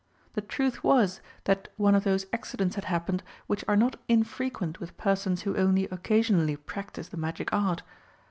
The truth was that one of those accidents had happened which are not infrequent with persons who only occasionally practise the Magic Art.